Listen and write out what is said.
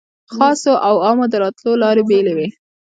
خاصو او عامو د راتلو لارې بېلې وې.